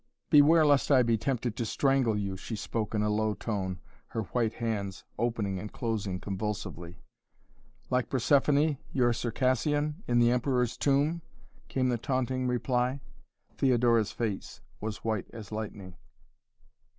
"Beware lest I be tempted to strangle you," she spoke in a low tone, her white hands opening and closing convulsively. "Like Persephoné, your Circassian, in the Emperor's Tomb?" came the taunting reply. Theodora's face was white as lightning.